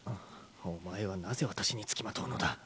お前はなぜわたしに付きまとうのだ？